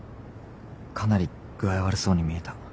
かなり具合悪そうに見えた。